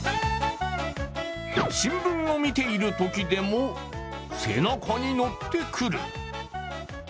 新聞を見ているときでも、背中に乗ってくる。